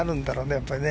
やっぱりね。